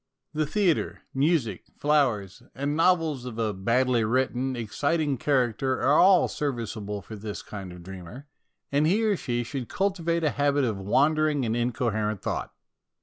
The theatre, music, flowers and novels of a badly written, exciting character are all serviceable for this kind of dreamer, and he or she should cultivate a habit of wandering and incoherent thought.